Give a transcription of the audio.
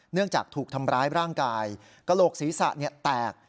จากถูกทำร้ายร่างกายกระโหลกศีรษะแตก